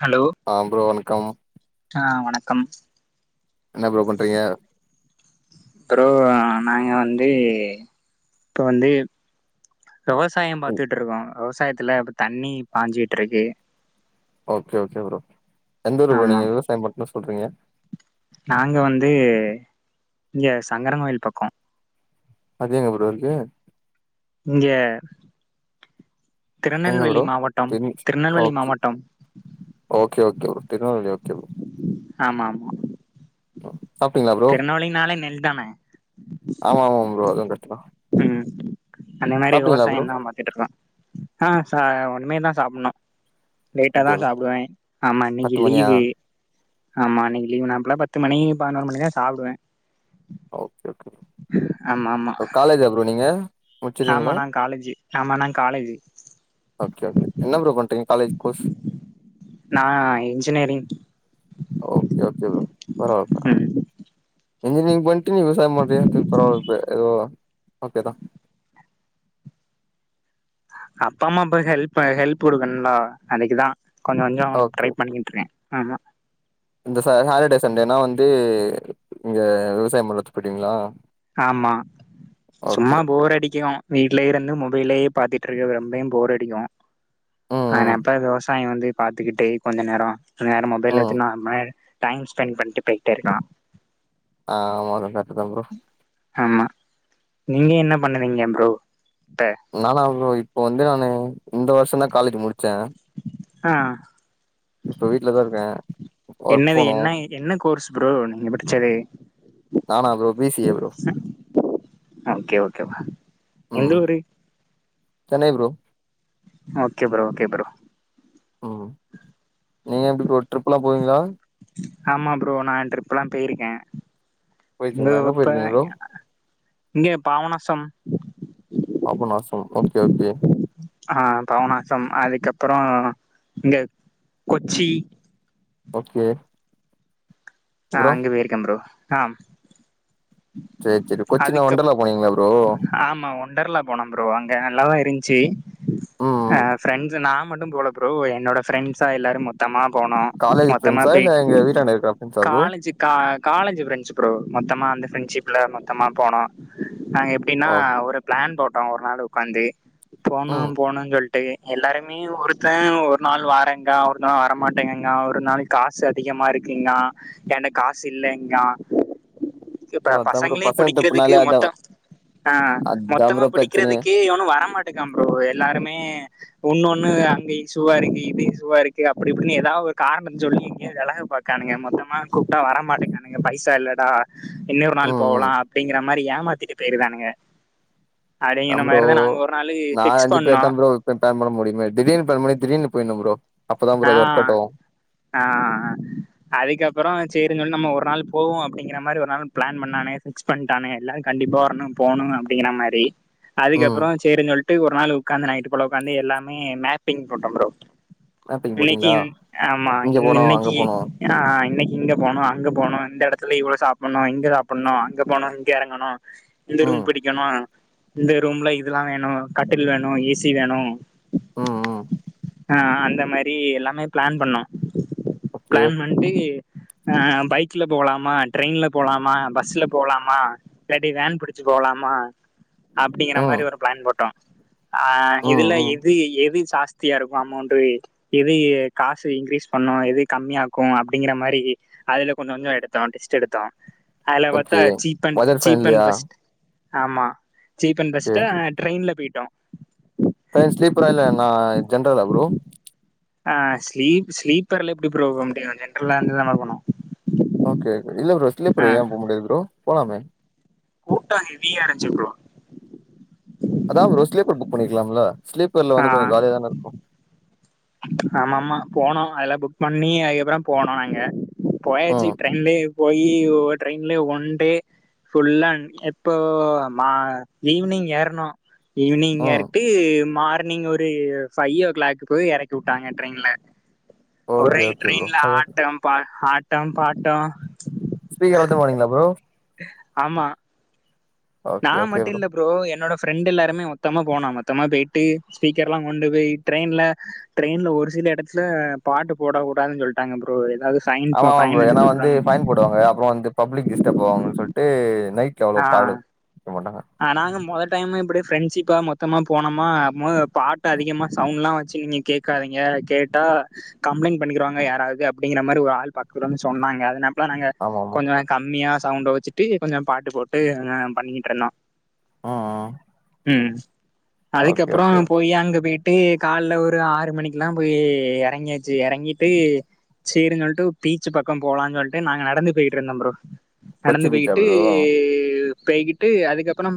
Hello ஆ bro வணக்கம் ஆ வணக்கம் என்ன ப்ரோ பண்றீங்க ப்ரோ நாங்க வந்து இப்ப வந்து விவசாய ம் பாத்துட்ருக்கோ விவசாயத்துல இப்போ தண்ணி பாஞ்சிட்ருக்கு ஓகே ஓகே ப்ரோ எந்த ஊரு ப்ரோ ஆமா நீங்க விவசாயோ பட்ணு சொல்றீங்க நாங்க வந்து இங்க சங்கரங்கோயில் பக்கோ அது எங்க ப்ரோ இருக்கு இங்க எங்க திருநெல்வேலி ப்ரோ மாவட்டம் திரு திருநெல்வேலி ஓகே மாவட்டம் okay okay bro Tirunelveli okay bro ஆமா ஆமா சாப்ட்டீங்களா ப்ரோ திருநெல்வேலினாளே நெல் தான ஆமா ஆமாம் ப்ரோ அதுவு கர்ட்டுதா ம் அந்த மாரி ப்ரோ விவசாயந்தா பா [unintelligible] ஆ ச உன்மேதா சாப்புட்ணு லேட்டா தா ஓகே ப்ரோ சாப்புடுவே ஆமா இன்னைக்கு பத்து மணியா லீவு ஆமா இன்னக்கி லீ்வு நா இப்பல்லா பத்து மணி பதுனோர் மணி தா சாப்புடுவே ஓகே ஓகே ப்ரோ ஆமா ஆமா ஓ காலேஜா ப்ரோ நீங்க ஆமா முடிச்சிட்டீங்களா நா காலேஜு ஆமா நா காலேஜு ஓகே ஓகே என்ன ப்ரோ பண்ட்ருக்கிங் காலேஜ் கோர்ஸ் நா இன்ஜினீரிங் ஓகே ஓகே ப்ரோ பரவால்ல பரவா ம் இன்ஜினியரிங் பண்ட்டு நீ விவசாயோ பன்றியா சேர் பரவால்ல எதோ ஓகே தா அப்பாம்மா பெர்சா ஹெல்ப் ஹெல்ப் குடுக்கணுன்லா அதுக்குதா கொஞ்ச கொஞ்சோ ஓகே ட்ரை பண்ணிகின்ட்ருகே ஆமா இந்த ச சாட்டடே சண்டேனா வந்து இங்க விவசாயோ பன்னத்துக்கு போயிடுவீங்ளா ஆமா சும்மா ஓகே போர் ப்ரோ. அடிக்கு வீட்லயே இருந்து மொபைலயே பாத்துட்ருக்கிறது ரொம்பயு போர் அடிக்கு ஆனா ம் அப்ப விவசாயோ வந்து பாத்துக்கிட்டே கொஞ்ச நேரோ நேர ம் மொபைல்ல ம். வெச்சு நாமே டைம் ஸ்பெண்ட் பண்ட்டு போயிட்டே இருக்லா ஆமா அது கரெட்டு தா ப்ரோ ஆமா நீங்க என்ன பண்ணுறீங்க ப்ரோ இப்ப நானா ப்ரோ இப்ப வந்து நானு இந்த வர்ஷோ தா காலேஜ் முடிச்சே ஆ இப்ப வீட்டுலதா இருக்கே ஒர்க் என்னது போனு என்ன என்ன கோர்ஸ் ப்ரோ நீங்க முடிச்சது நானா bro B C A bro okay okay வ எந்த ம். ஊரு Chennai bro okay bro okay bro ம் நீங்க எப்டி ப்ரோ டிரிப் எல்லா போவீங்ளா? ஆமா ப்ரோ நா ட்ரிப் எல்லா போ போய்ருக்கே போயிருக்கீங்களா? எங்க போயிருக்கீங்க ப்ரோ? [unintelligible] இங்க பாவனாசம் பாபனாசம் ஓகே ஓகே ஆ பாவனாசம் அதுக்கப்றோ இங்க கொச்சி ஓகே ஆ அப்புறம்? அங்க போயிருக்கே ப்ரோ ஆ சேரி சேரி கொச்சின்ல அதுக்கப் ஒண்டர்லா போனீங்ளா ப்ரோ ஆமா ஒண்டர்லா போனோ ப்ரோ அங்க நல்லாதா இருன்ச்சி ம் அ ம். ஃப்ரெண்ட்ஸ் நா மட்டு போல ப்ரோ என்னோட ஃப்ரெண்ட்ஸா எல்லாரு மொத் தமா போனோ காலேஜ் மொத்தமா ஃப்ரெண்ட்ஸா இல்ல போயிட் எங்க வீட்டான்ட இருக்க ஃப்ரெண்ட்ஸா ப்ரோ? காலஜிக் கா காலேஜ் ஃப்ரெண்ட்ஸு ப்ரோ மொத்தமா அந்த ஃப்ரெண்ட்ஷிப்ல மொத்தமா போனோ நாங்க எப்டின்னா ஓ ஒரு பிளான் போட்டோ ஒரு நாள் உக்காந்து போனு ம். போணுஞ் சொல்ட்டு எல்லாருமே ஒருத்தன் ஒரு நாள் வாறேங்கா ஒரு நாள் வரமாட்டேங்கிங்கா ஒரு நாள் காசு அதிகமா இருக்குங்கா ஏன்ட்ட காசு இல்லைங்கா இப்ப ப்ரோ அதா ப்ரோ பசங்களே பசங்க குடிக்கிறதுக்கு ட்ரிப்புனாலே அதா மொத்தோ ஆ அதா மொத்தமா ப்ரோ பிரச்சனையே புடிக்கிறதுக்கு எவனு வரமாட்டேங்கா ப்ரோ எல்லாருமே ஒன்னுொண்ணு அங்க இசுவா இருக்கு இது இசுவா இருக்கு அப்டி இப்டின்னு ஏதா ஒரு காரணோ சொல்லி இங்கயே வெலங்க பா க்கானுங்க மொத்தம் கூப்டா வர மாட்டேக்கானுங்க பைசா இல்லடா இன்னொரு நாள் ம் ம் போவுலா அப்டிங்குற மாரி ஏமாத்திட்டு போய்டுதானுங்க அதா அப்டிங்குற ப்ரோ மாரிதா நாங்க ஒரு நாளு நா ஃபிக்ஸ் அஞ்சு பேர் பண்ணோ தா ப்ரோ பிளான் பண்ணா முடியமாட்து திடீர்னு பிளான் பன்னி திடீர்னு போயிர்னு ப்ரோ அப்பதா ப்ரோ ஆ அது ஒர்க் அவுட் ஆவு ஆ ஆ அதுக்கப்றோ சேரின் சொல்லி நம்ம ஒரு நாள் போவோ அப்டிங்கிற மாரி ஒரு நாள் பிளான் பண்ணானே ஃபிக்ஸ் பண்ட்டானுங்க எல்லாரு கண்டிப்பா வரணு போணு அப்டிங்கிற மாரி ம் அதுக்கப்பறோ சேரின் சொல்ட்டு ஒரு நாள் உகாந்து நைட்டு ஃபுல்லா உகாந்து எல்லாமே மேப்பிங் போட்டோ ப்ரோ மேப்பிங் போட்டீங்களா இன்னைக்கிம் ஆமா இங்க இன் போனோ அங்க இன்னைக்கி போனோ ஏனா இன்னைக்கி இங்க போனு அங்க போனு இந்த எடத்துல இவ்ளோ சாப்புட்ணு இங்க சாப்புட்ணு அங்க போணு இங்க எறங்கணு இந்த ரூம் ம் பிடிக்கணு இந்த ரூம்ல இதுலா வேணு கட்டில் வேணு ஏசி வேணு ம் ம் ஆ அந்த மாரி எல்லாமே பிளான் பண்ணோ ஓகே பிளான் பண்ட்டு ஆ பைக்ல போலாமா டிரயின்ல போலாமா பஸ்ல போலாமா இல்லாட்டி வேன் புடிச்சு போவுலாமா அப்டிங்குற ம் மாரி ஒரு பிளான் போட்டோ அ ம் இதுல ம் இது எது சாஸ்தியா இருக்கு அமோன்ட்டு எது காசு இன்கிரீஸ் பண்ணு எது கம்மியாக்கு அப்டிங்குற மாரி அதுல கொஞ்சோ கொஞ்சோ எடுத்தோ லிஸ்ட் எடுத்தோ அதுல பாத்தா okay cheap and budget cheap and ஃப்ரெண்ட்லியா பெஸ்ட் ஆமா சீப் அன்ட் ஓகே பெஸ்ட்டு ட்ரெயின்ல போயிட்டோ ட்ரயின் ஸ்லீப்பர்ரா இல்ல னா ஜென்ரலா ப்ரோ ஆ ஸ்லீப் ஸ்லீப்பர்ல எப்டி ப்ரோ போ முடியு ஜென்ரலா இருந்துதான நம்ப போணோ ஓகே ஓகே இல்ல ப்ரோ ஸ்லீப்பர்ல ஏ போ முடியாது ப்ரோ போலாமே கூட்டோ ஹெவியா இருஞ்சு ப்ரோ அதா ப்ரோ ஸ்லீப்பர் புக் பண்ணிர்க்குலாம்ல ஸ்லீப்பர்ல ஆ வந்து கொஞ்சோ காலியாதான இருக்கு ஆமா ஆமா போனோ அதெல்லா புக் பண்ணி அதுக்கப்புறோ போனோ நாங்க போயாச்சு ம் ட்ரெயின்லே போயி ட்ரெயின்லே ஒண் டே ஃபுல்லான் எப்போ மா ஈவினிங் ஏர்னோ ஈவினிங் ம் எர்ட்டு மார் னீங் ஒரு ஃபைவ் ஓ கிளாக் போய் எறக்கி உட்டாங்க ட்ரெயின்ல ஓகே ஒரே ஓகே ட்ரெயின்ல ப்ரோ ஆட்டம் பா ஆட்டம் பாட்டோ ஸ்பீக்கர் போட்டு போனீங்களா ப்ரோ ஆமா நா ஓகே ஓகே மட்டு இல்ல ப்ரோ என்னோட ஃப்ரெண்டு எல்லாருமே மொத்தமா போனா மொத்தமா போயிட்டு ஸ்பீக்கர் எல்லா கொண்டு போய் ட்ரெயின்ல ட்ரெயின்ல ஒரு சில இடத்துல பாட்டு போடக்க கூடாதுன்னு சொல்லிட்டாங்க ப்ரோ ஏதாவது ஃபைன் ஆமா ஆமா ப்ரோ ஃபைன் ஏன்னா அடிச்சு வந்து விட்ருவாங்க பைன் போடுவாங்க அப்றோ வந்து பப்ளிக் டிஸ்டர்ப ஆவாங்கன்ன சொல்லிட்டு நைட்ல எவ்வளோ பாடு வக்க மாட்டாங்க ஆ நாலு மொதடைம் இப்படி ஃப்ரெண்ட்ஷிப்பா மொத்தமா போனோமா அப்போது பாட்டு அதிகமா சவுண்ட் எல்லா வச்சு நீங்க கே ங்க கேட்டா கம்ப்ளைண்ட் பண்ணிக்கிறவாங்க யாராவது அப்டிங்கிற மாதி ஒரு ஆள் பக்கத்துல வந்து சொன்னாங்க அதன லாம் நாங்க ஆமா ஆமா கொஞ்சோ கம்மியா சவுண்ட வச்சுட்டு கொஞ்சோ பாட்டு போட்டு பண்ணிட்டு இருந்தோ ஆ ஆ ஆ ம் அதுக்கப்றோ போய் அங்க போய் ட்டு கால்ல ஒரு ஆறு மணிக்குலா போய் எறங்கியாச்சு எறங்கிட்டு சேரிசொல்ட்டு பீச்சு பக்கோ போலா சொல்லுட்டு நாங்க நடந்து பேயிட்டு இருந்தோ ப்ரோ கொச்சி நடந்து பீச்சா பேய்யிட்டு ப்ரோ பேய்கிட்டு- அதுக்கப்றோ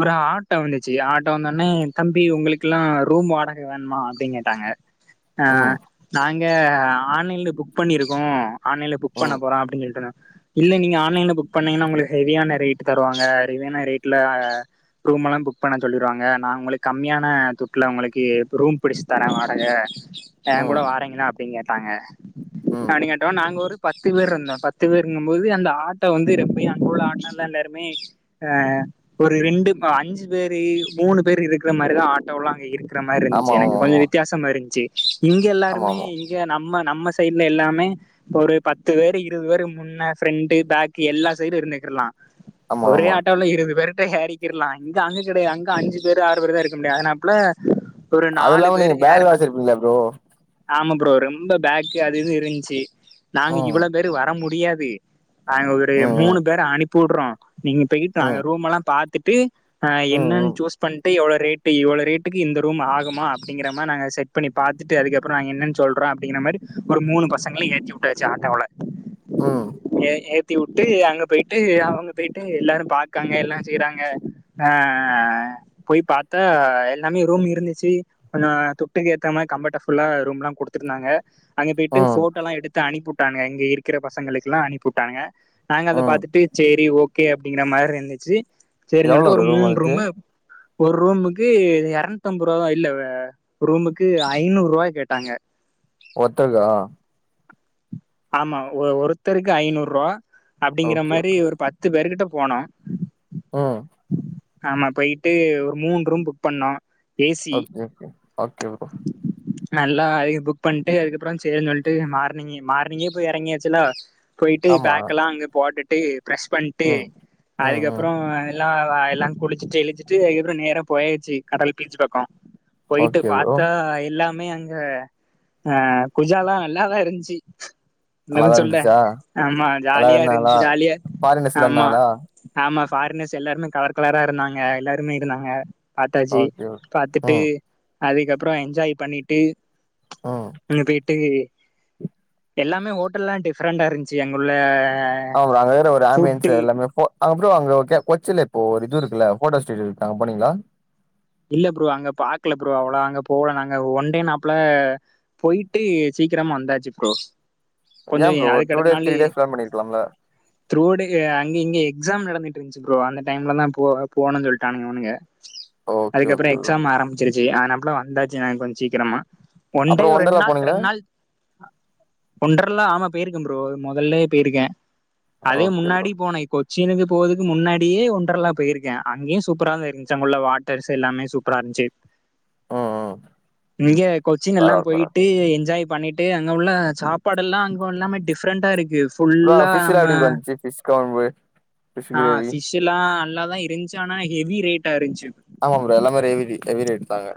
ஒரு ஆட்டோ வந்துச்சு ஆட்டோ வந்தோடனே தம்பி உங்களுக்குலா ரூம் வாடக வேணுமா அப்டினு கேட்டாங்க ஆ ம் நாங்க ஆன்லைன்ல புக் பண்ணிருக்கோ ஆன்லைன்ல புக் பண்ண ம் போறோ அப்டினு சொல்டோன்ன இல்ல நீங்க ஆன்லைன்ல புக் பண்ணீங்கன்னா உங்களுக்கு ஹெவியான ரேட் தருவாங்க ஹெவியான ரேட்ல ரூம் எல்லா புக் பண்ண சொல்லிடுவாங்க நா உங்களுக்கு கம்மியான துட்டுல உங்களுக்கு ரூம் புடிச்சு தரேன் வாடக ஏன் கூட ம் வரீங்களா அப்டின்னு கேட்டாங்க ம் கேட்டோம் நாங்க ஒரு பத்து பேர் இருந்தோ பத்து பேருங்குபோது அந்த ஆட்டை வந்து அங்கேயு ஆட்டல்லா எல்லாருமே ஆ ஒரு ரெண்டு அஞ்சு பேரு மூணு பேர் இருக்கிற மாரிதா ஆட்டோ எல்லா அங்க இருக்கு இருக்கற மாரி ஆமா இருந்துச்சு எனக்கு ஆமா கொஞ்சோ ஆமா வித்தியசமா இருந்துச்சு இங்க ஆமா எல்லாருமே ஆமா ச்சு நம்ம நம்ம சைட்ல எல்லாமே ஒரு பத்து பேர் இருபது பேரு முன்ன ஃப்ரெண்ட் பேக் எல்லா சைடு இருந்துக்கலா ஆமா ஒரே ஆமா ஆட்டோல இருபது பேரு யாரக்கிரலா இங்க அங்க கிடையாது அங்க அஞ்சு பேர் ஆறு பேர் தா இருக்க முடியாது அதனாப்ள ஒரு அது நாலு இல்லாம பேரு நீங்க பேக்லா எருனாங்க வச்சிருப்பீங்களா ப்ரோ ஆமா ப்ரோ ரொம்ப பேக்கு அது இவு இருந்துச்சு நாங்க ம் இவ்ளோ பேரு வர முடியாது நாங்க ஒரு ம் மூணு ம் பேர அனுப்பிடுறோ நீங்க போயிட்டு நாங்க ம் ரூம் எல்லா ட்டு ம் என்னன்னு ம் சூஸ் பண் ப்ப எவ்ளோ ரெட்டு ரெட்க்கு இந்த ரூம் ஆகுமா அப்படிங்கிற மாரி நாங்க செட் பண்ணி பாத்துட்டு அதுக்கு அப் பறோ நாங்க என்னன்னு சொல்றோ அப்டிங்கிற மாரி ஒரு முனு பசங்களை ஏத்தி விட்டச்சு ஆட்டோலா ம் ஏ ஏத்தி விட்டு அங்க போயிட்டு அவுங்க போயிட்டு எல்லாரு பாக்காங்க எல்லா செய்றாங்க ஆ போய் பாத்தா எல்லாமே ரூம் இருந்துச்சு ஞ்சோ துட்டுக்கு ஏத்த மாரி கம்பர்ட ஃபுல்லா ரூம் எல்லா கொடுத்துருந்தாங்க அங்கே போயிட்டு ம் போட்டோல்லா எடுத்து அனுப்பிவிட்டாங்க இங்க இருக்கிற பசங்களுக்கு எல்லா அனுப்பிவிட்டாங்க நாங்க அத ம். பாத்துட்டு சேரி ஓகே அப்படிங்கற மாரி இருந்துச்சு சேரினு எவ்வளோ சொல்லிட்டு ஒரு ப்ரோ ரூம் முணு அதுக்கு ரூம்மு ஒரு ரூமுக்கு இரநூத்தம்பது ரூபா தா இல்ல ரூமுக்கு ஐநூறு ரூபா கேட்டாங்க ஒத்தக்க ஆமா ஒருத்தருக்கு ஐநூறு ரூபா அப்படிங்கிற ஓகே மாதிரி ஓகே ஒரு பத் பத்து பேருர்கிட்ட போனோ ஓ ஆமா போயிட்டு ஒரு மூணு ரூம் புக் பண்ணோ easy okay okay okay bro நல்லா இ புக் பண்ட்டு அதுக்கப்றோ செர்ன்னு சொல்லிட்டு மார்னிங் மார்னிங்கே போய் எறங்கியாச்சுல்ல போயிட்டு ஆமா பேக்கல்லா அங்க போட்டுட்டு ப்ரஷ் பண்ட்டு ம் ம் ம் அதுக்கப்றோ எல்லா எல்லா குளிச்சிட்டு இளிச் ச்சு இர்ர நேரா போய்யாச்சு கடல் பீச்சு பக்கோ போயிட்டு ஓகே ப்ரோ பாத்தா எல்லாமே அங்க அ குஜாலா நல்லாதா இருந்ச்சி என்னது நல்லாதா சொல்ல இருந்துச்சா ஆமா எல்லாரு ஜாலியா இருந்தாங்களா இருந்ச்சு ஜாலியா ஃபாரினர்ஸ்லா ஆமா இருந்தாங்களா ஆமா ஃபாரினர்ஸ் எல்லாருமே கலர் கலரா இருந்தாங்க எல்லாருமே இருந்தாக பாத்தாச்சு ஓகே ஓகே பாத்துட்டு ம் அதுக்கப்றோ என்ஜாய் பண்ணிட்டு ம் இங்க போய்ட்டு எல்லாமே ஹோட்டல்லா டிஃப்ரெண்டா இருந்ச்சு அங்குள்ள ஆ அங்க வேற ஒரு ஆம்பியன்ஸ் எல்லாமே பொ அ ப்ரோ அங்க கொச்சில இப்போ ஒரு இது இருகுல்ல ஃபோட்டோ ஸ்டுடியோ இருக்குல அங்க போனீங்களா இல்ல ப்ரோ அங்க பாக்கல ப்ரோ அவ்ளோ நாங்க போல நாங்க ஒன்டே நாப்ல போய்ட்டு சீக்ரமா வந்தாச்சு ப்ரோ யா கொஞ்சோ ப்ரோ அதுக்கு டூ அடுத்த டேஸ் திரி நாளு டேஸ் பிளான் பண்ணிருக்லாம்ல த்ரூ டே அங்க இங்க எக்ஸாம் நடந்துட்டு இருந்துச்சு ப்ரோ அந்த டைம்ல தா போ போணுன் சொல்ட்டானங்க இவனுங்க ஓகே அதுக்கப்றோ ஓகே ப்ரோ எக்ஸாம் ஆரம்பிச்சிருச்சு ஆனப்புல வந்தாச்சு நாங்க கொஞ்சோ சீக்கரமா ஒன் டே அப்றோ ஒரு ரெண்டு ஒண்டர்லா நாள் போனீங்களா ரெண்டு நாள் ஒண்டர்லா ஆமா பேயிருக்கே ப்ரோ மொதல்லே பேயிருக்க அது ஓகே ப்ரோ முன்னாடி போனே இப்ப சீனுக்கு போகுதுக்கு முன்னாடியே ஒண்டர்லா போயிருக்கே அங்கயு சூப்பரா தா இருந்துச்சு அங்குள்ள வா டிரஸ்சு எல்லாமே சூப்பரா இருந்சு தட் ம் ம் இங்க கொச்சின் எல்லா பரவால பரவால போயிட்டு என்ஜாய் பண்ணிட் டு அங்க உள்ள சாப்பாடு எல்லா அங்க எல்லாமே டிஃப்ரெண்டா இருக்கு ப்ரோ அங்க ஃபுல்லா ஃபிஷ்லா எப்டி நம்ம ப்ரோ [unintelligible] ஆ கிரேவி ஃபிஷ்சு ல்லா நல்லாதா இருந்துச்சு ஆனா ஹெவி ரேட்டா இருந்துச்சு ஆமா ப்ரோ ல்லாமே ரெவி ஹெவி ரேட் தா அங்க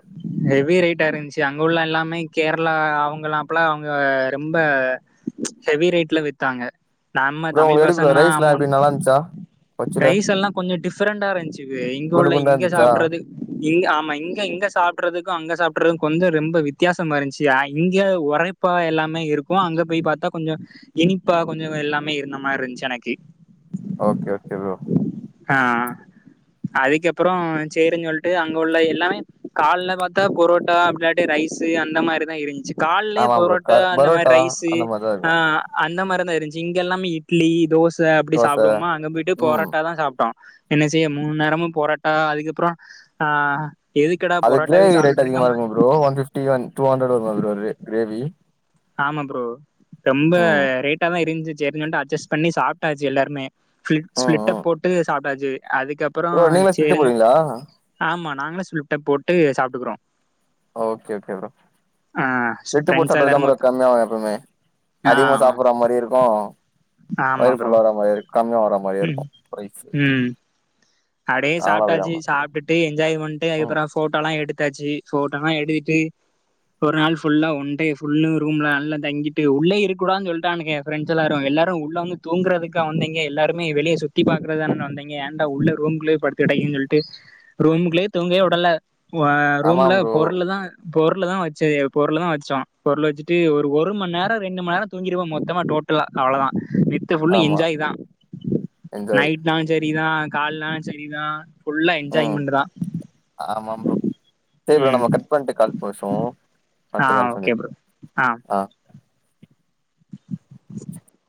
ஹெவி ரேட்டா இருந்ச்சு அங்க உள்ள எல்லாமே கேரளா அவுங்களாம்ப்பல அவுங்க ரொம்ப ஹெவி ரேட்ல வித்தாங்க நம்ம ப்ரோ தமிழ் உங்களுக்கு எப்டி ப்ரோ பசங்கனா ரைஸ்லா அமௌண்ட் எப்டி நல்லா இருந்துச்சா கொச்சில ரைஸ் எல்லா கொஞ்சோ டிஃப்ரெண்டா இருந்துச்வே இங்க குண்டு உள்ள குண்டா இங்க இருந்துச்சா சாப்றது இங்க ஆமா இங்க இங்க சாப் சாப்புர்றதுக்கு அங்க சாப்புர்றதுக்கு கொஞ்சோ ரெம்ப வித்யாசமா இருந்ச்சு ஆ இங்க ஒரப்பா எல்லாமே இருக் க்கோ அங்க போய் பாத்தா கொஞ்சோ இனிப்பா கொஞ்சோ எல்லாமே இருந்த மாரி இருந்ச் எனக்கு ஒகே ஓகே ப்ரோ ஆ அதுக்கப்றோ சேரின் சொல்ட்டு அங்க உள்ள எல்லா கால்ல பாத்தா பொரோட்டா அப்டிளாட்டி ரைஸ்ஸு அந்த மாரி தா இருந்ச்சு கால்லே ஆமா ப்ரோ க புரோட்டா அந்த மாரி பரோட்டா ரைஸு அந்த மாரிதா ஆ இருக்கு அந்த மாரிதா இருந்ச்சு இங்க எல்லாமே இட்லி தோச அப்டி தோச சாப்டுவோமா அங்க போய்ட்டு ம் பொரட்டா தா சாப்ட்டோ என்ன செய்ய மூணு நேரமு பொரட்டா அதுக்கப்றோ ஆ எதுக்குடா அது பொரோட்டாவே கிரேவி ரேட் சாப்ட்டுட்டு அதிகமா இருக்கம இருக்கு bro one fifty and two hundred இருக்கு ப்ரோ ரே கிரேவி ஆமா ப்ரோ ரொம்ப ம் ரேட்டா தா இருந்துச் [inaudible] அட்ஜஸ்ட் பண்ணி சாப்ட்டாச்சு எல்லார்மே ப்ளிட் ம் ஸ்பிலிட்ட ம் போட்டு சாப்ட்டாச்சு அதுக்கப்றோ ப்ரோ நீங்களே ஸ்பிலிட்டு சேரின்னு போடுவீங்களா ஆமா நாங்களே ஸ்ப்ளிட்ட போட்டு சாப்ட்டுக்குறோ ஓகே ஓகே ப்ரோ ஆ எட்டு போட்டா ஃப்ரெண்ட்ஸ் எல்லாரு [unintelligible] மொத்த கம்மியா வரனுமே ஆ அதிகமா சாப்டுற மாரி இருக்கும் ஆமா வயிற ப்ரோ ஃபுல் ஆகுற மாரி இருக்கும் கம்மியா வரும் ம் ம் அப்டே நாங்களு அப்டிதா சாப்ட்டாச்சு ப்ரோ சாப்பிட்டு என்ஜாய் பண்ணிட்டு ம் அதுக்கப்புறம் போட்டோல்லாம் எடுத்தாச்சு போட்டோலாம் எடுத்ட்டு ஒரு நாள் ஃபுல்லா ஒன் டே ஃபுல்லும் ரூம்ல நல்லா தங்கிட்டு உள்ளே இருக்குடாதுன்னு சொல்லிடான்னுக பிரெண்ட்ஸ் எல்லாரும் எல்லாரும் உள்ள வந்து தூங்குறதுக்கா வந்தீங்க எல்லாருமே வெளிய சுத்தி பாக்குறதுக்கு தான வந்தீங்க ஏன்டா உள்ள ரூம்குள்ளே படுத்து கிடக்குறீங்கன்னு சொல்லிட்டு ரூம்க்குள்ளே தூங்க உடல ஓ ஆமா ரூம்ல ப்ரோ பொருளுதான் பொருள்ள தான் வச்சது பொருள் தான் வச்சோம் பொருள் வச்சுட்டு ஒரு ஒரு மண் நேரம் ரெண்டு மண் நேரம் தூங்கிடுவோ மொத்தமா டோட் டலா அவ்ளோதான் நைட்டு ஃபுல்லு ஆமா என்ஜாய் தான் என்ஜாய் நைட்லாம் சரிதான் கால்லாம் சரிதான் ஃபுல்லா என்ஜாய்மெண்ட்டு தான் ஆரம்பம் ப்ரோ சரி ப்ரோ ம் நம்ம கட் பண்ணிட்டு கால் பேசுவோம் ஆ அடுத்த காலம் ஓகே ப்ரோ சந்திப்போம் ஆ [inaudible]